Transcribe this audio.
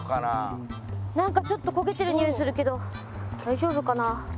なんかちょっと焦げてるにおいするけど大丈夫かな？